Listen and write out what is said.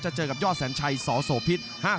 จะเจอกับย่อแสนชัยสโสพิษ